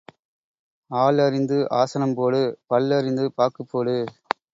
ஆள் அறிந்து ஆசனம் போடு பல் அறிந்து பாக்குப் போடு.